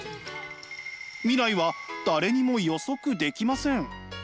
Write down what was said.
未来は誰にも予測できません。